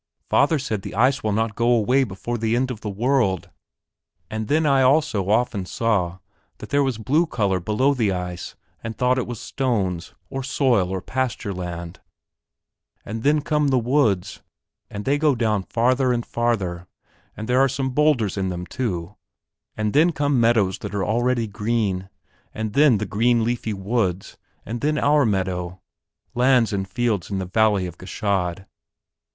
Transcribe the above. Father said the ice will not go away before the end of the world. And then I also often saw that there was blue color below the ice and thought it was stones, or soil and pasture land, and then come the woods, and they go down farther and farther, and there are some boulders in them too, and then come meadows that are already green, and then the green leafy woods, and then our meadow lands and fields in the valley of Gschaid.